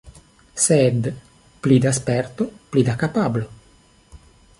Sed pli da sperto, pli da kapablo.